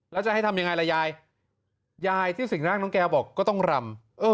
แล้วจะให้ทำยังไงล่ะยายยายที่สิ่งร่างน้องแก้วบอกก็ต้องรำ